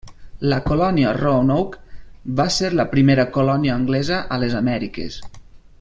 La Colònia Roanoke va ser la primera colònia anglesa a les Amèriques.